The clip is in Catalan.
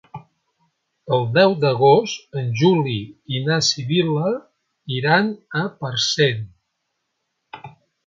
El deu d'agost en Juli i na Sibil·la iran a Parcent.